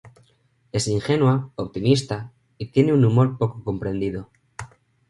Es ingenua, optimista y tiene un humor poco comprendido.